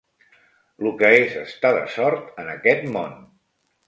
Lo que és estar de sort en aquest món